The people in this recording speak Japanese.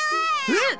えっ！